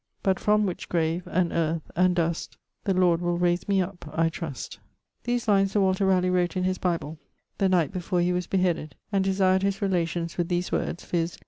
But from which grave and earth and dust The Lord will rayse me up I trust. These lines Sir Walter Ralegh wrote in his Bible, the night before he was beheaded, and desir'd his relations with these words, viz.